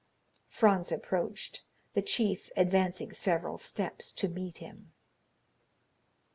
Franz approached, the chief advancing several steps to meet him.